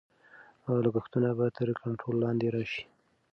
لګښتونه به تر کنټرول لاندې راشي.